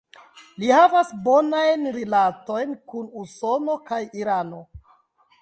Li havas bonajn rilatojn kun Usono kaj Irano.